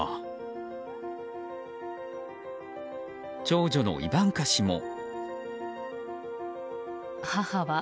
長女のイバンカ氏も。